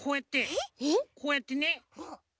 こうやって。